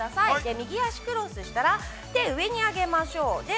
右足をクロスしたら、手を上に挙げましょう。